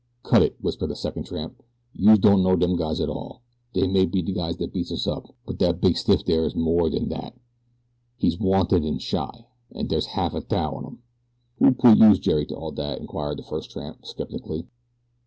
"Cut it!" whispered the second tramp. "Youse don't know dem guys at all. Dey may be de guys dat beats us up; but dat big stiff dere is more dan dat. He's wanted in Chi, an' dere's half a t'ou on 'im." "Who put youse jerry to all dat?" inquired the first tramp, skeptically.